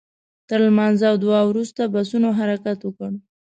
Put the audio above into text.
تر لمانځه او دعا وروسته بسونو حرکت وکړ.